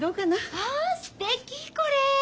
あすてきこれ！